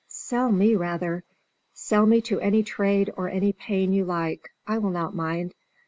Sell me rather. Sell me to any trade or any pain you like; I will not mind.